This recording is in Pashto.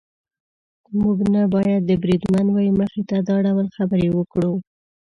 موږ نه باید د بریدمن وه مخې ته دا ډول خبرې وکړو.